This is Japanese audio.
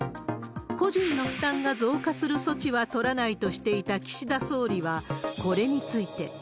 個人の負担が増加する措置は取らないとしていた岸田総理はこれについて。